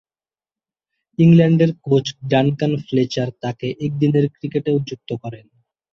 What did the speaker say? ইংল্যান্ডের coach Duncan Fletcher তাকে একদিনের ক্রিকেটেও যুক্ত করেন।